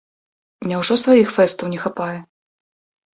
Няўжо сваіх фэстаў не хапае?